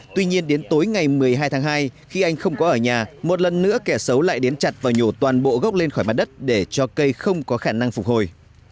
tuy nhiên đến tối ngày một mươi hai tháng hai khi anh không có ở nhà một lần nữa kẻ xấu lại đến chặt và nhổ toàn bộ gốc lên khỏi mặt đất để cho cây không có khả năng phục hồi